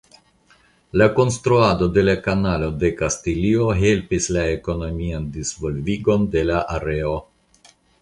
La konstruado de la Kanalo de Kastilio helpis la ekonomian disvolvigon de la areo.